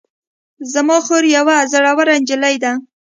زما خور یوه زړوره نجلۍ ده